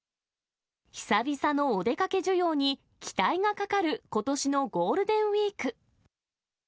久々のお出かけ需要に期待がかかることしのゴールデンウィーク。